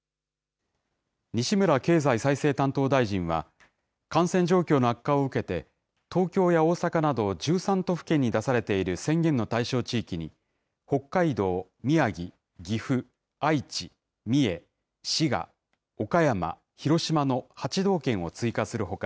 西村経済再生担当大臣は、感染状況の悪化を受けて、東京や大阪など、１３都府県に出されている宣言の対象地域に、北海道、宮城、岐阜、愛知、三重、滋賀、岡山、広島の８道県を追加するほか、